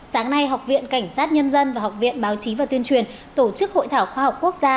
sáng nay học viện cảnh sát nhân dân và học viện báo chí và tuyên truyền tổ chức hội thảo khoa học quốc gia